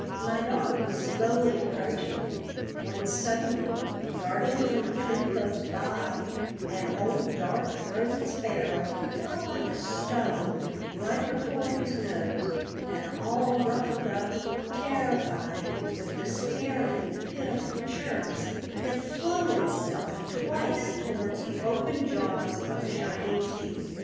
My dog was slowly approaching it, when, suddenly darting from a tree close by, an old dark throated sparrow fell like a stone right before his nose, and all ruffled up, terrified, with despairing and pitiful chirps, it flung itself twice towards the open jaws of shining teeth.